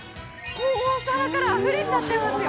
お皿からあふれちゃってますよ。